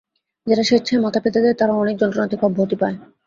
যারা স্বেচ্ছায় মাথা পেতে দেয়, তারা অনেক যন্ত্রণা থেকে অব্যাহতি পায়।